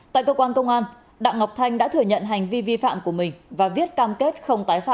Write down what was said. tại cơ quan công an đặng ngọc thanh đã thừa nhận hành vi vi phạm của mình và viết cam kết không tái phạm